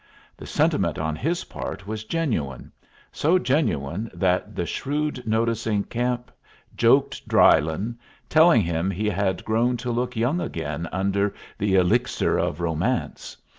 The sentiment on his part was genuine; so genuine that the shrewd noticing camp joked Drylyn, telling him he had grown to look young again under the elixir of romance.